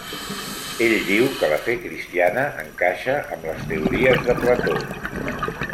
Ell diu que la fe cristiana encaixa amb les teories de Plató.